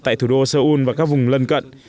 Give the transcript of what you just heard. tại thủ đô seoul và các vùng lân cận